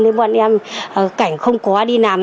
đến bọn em cảnh không có đi nằm